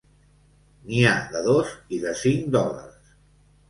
N'hi ha de dos i de cinc dòlars.